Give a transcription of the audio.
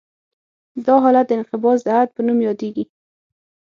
دا حالت د انقباض د حد په نوم یادیږي